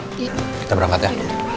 kita berangkat ya